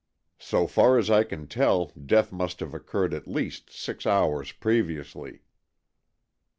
So far as I can tell, death must have occurred at least six hours previously."